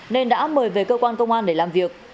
nên đã mời về cơ quan công an để làm việc